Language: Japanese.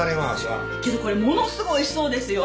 けどこれものすごいおいしそうですよ。